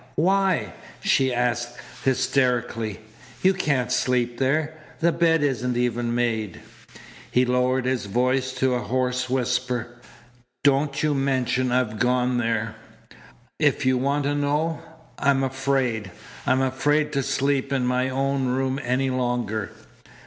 Why?" she asked hysterically. "You can't sleep there. The bed isn't even made." He lowered his voice to a hoarse whisper: "Don't you mention I've gone there. If you want to know, I am afraid. I'm afraid to sleep in my own room any longer."